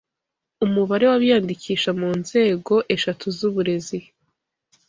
umubare w’abiyandikisha mu nzego eshatu z’uburezi